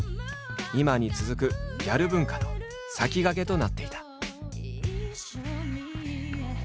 今に続くギャル文化の先駆けとなっていた。